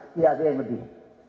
tiap ada yang lebih